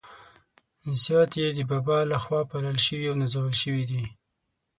زیات يې د بابا له خوا پالل شوي او نازول شوي دي.